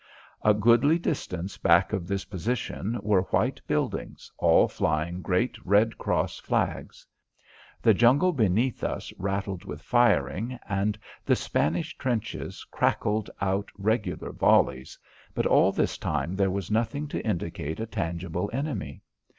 A goodly distance back of this position were white buildings, all flying great red cross flags. The jungle beneath us rattled with firing and the Spanish trenches crackled out regular volleys, but all this time there was nothing to indicate a tangible enemy.